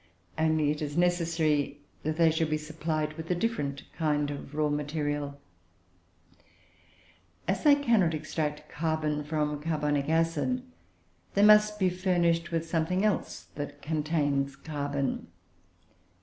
Only it is necessary that they should be supplied with a different kind of raw material; as they cannot extract carbon from carbonic acid, they must be furnished with something else that contains carbon.